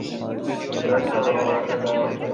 যাহার কোন ধর্ম বা গুণ নাই, তাহা অজ্ঞেয়।